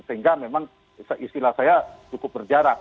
sehingga memang istilah saya cukup berjarak